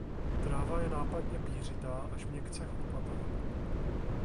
Tráva je nápadně pýřitá až měkce chlupatá.